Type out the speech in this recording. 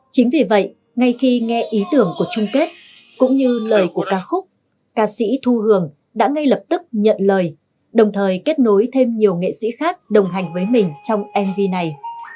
chính vì vậy ngay khi nghe ý tưởng của chung kết cũng như lời của ca khúc ca sĩ thu hường đã ngay lập tức nhận lời đồng thời kết nối thêm nhiều nghệ sĩ khác đồng hành với mình trong mv này